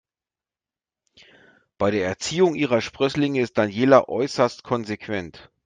Bei der Erziehung ihrer Sprösslinge ist Daniela äußerst konsequent.